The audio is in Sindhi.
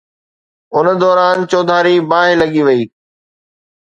ان دوران چوڌاري باهه لڳي وئي